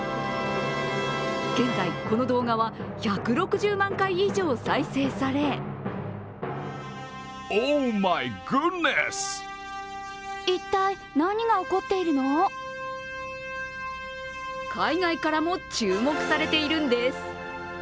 現在、この動画は１６０万回以上再生され海外からも注目されているんです。